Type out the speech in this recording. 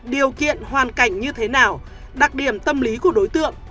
điều kiện hoàn cảnh như thế nào đặc điểm tâm lý của đối tượng